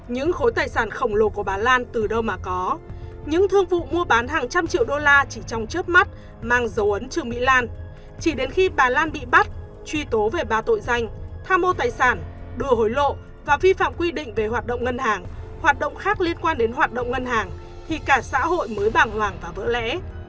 những khối tài sản khổng lồ của bà lan từ đâu mà có những thương vụ mua bán hàng trăm triệu đô la chỉ trong trước mắt mang dấu ấn trương mỹ lan chỉ đến khi bà lan bị bắt truy tố về bà tội danh tham mô tài sản đùa hối lộ và vi phạm quy định về hoạt động ngân hàng hoạt động khác liên quan đến hoạt động ngân hàng thì cả xã hội mới bảng hoảng và vỡ lẽ